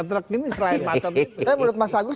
truk ini selain macam itu tapi menurut mas agus